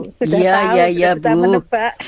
sudah tahu sudah menebak